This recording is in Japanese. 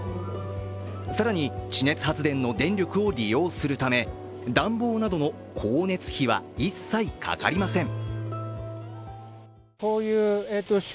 更に、地熱発電の電力を利用するため、暖房などの光熱費は一切かかりません。